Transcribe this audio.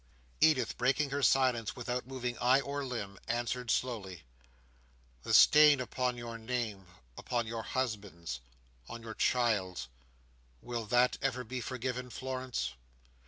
Edith, breaking her silence, without moving eye or limb, answered slowly: "The stain upon your name, upon your husband's, on your child's. Will that ever be forgiven, Florence?"